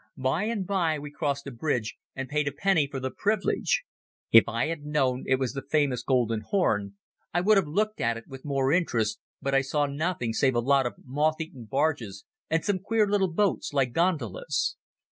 By and by we crossed a bridge, and paid a penny for the privilege. If I had known it was the famous Golden Horn I would have looked at it with more interest, but I saw nothing save a lot of moth eaten barges and some queer little boats like gondolas.